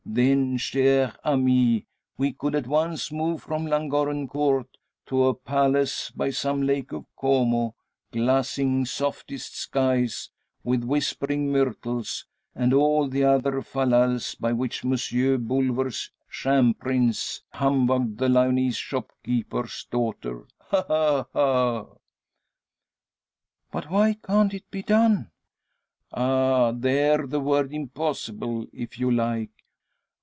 Then, chere amie, we could at once move from Llangorren Court to a palace by some Lake of Como, glassing softest skies, with whispering myrtles, and all the other fal lals, by which Monsieur Bulwer's sham prince humbugged the Lyonese shopkeeper's daughter. Ha! ha! ha!" "But why can't it be done?" "Ah! There the word impossible, if you like.